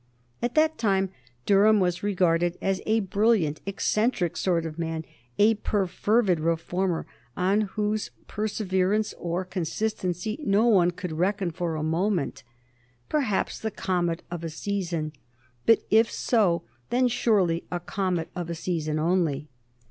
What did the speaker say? At that time Durham was regarded as a brilliant, eccentric sort of man, a perfervid reformer on whose perseverance or consistency no one could reckon for a moment perhaps the comet of a season, but if so then surely a comet of a season only.